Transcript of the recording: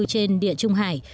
trên địa trung hải